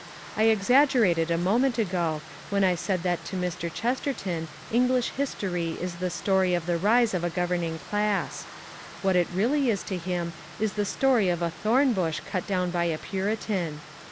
I exaggerated a moment ago when I said that to Mr. Chesterton English history is the story of the rise of a governing class. What it really is to him is the story of a thorn bush cut down by a Puritan.